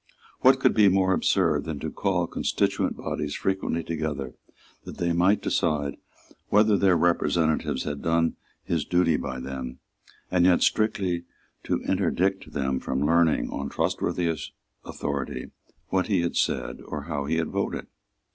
What could be more absurd than to call constituent bodies frequently together that they might decide whether their representative had done his duty by them, and yet strictly to interdict them from learning, on trustworthy authority, what he had said or how he had voted?